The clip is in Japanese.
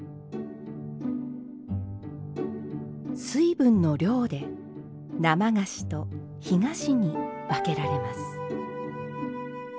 水分の量で生菓子と干菓子に分けられます。